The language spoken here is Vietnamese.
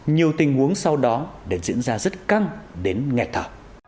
nhiều tình huống sau đó đều diễn ra rất căng đến nghẹt thở